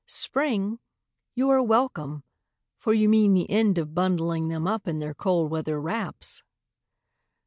Spring, you are welcome, for you mean the end of Bundling them up in their cold weather wraps.